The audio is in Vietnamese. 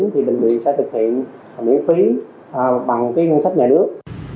thì bệnh viện sẽ thực hiện miễn phí bằng cái ngân sách nhà nước